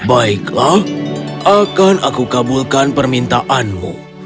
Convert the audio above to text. baiklah akan aku kabulkan permintaanmu